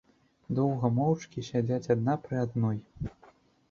Доўга моўчкі сядзяць адна пры адной.